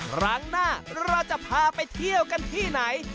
ครั้งหน้าเราจะพาไปเที่ยวกันที่ไหน